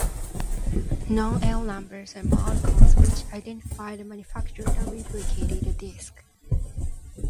Non-"L" numbers are "mould codes", which identify the manufacturer that replicated the disc.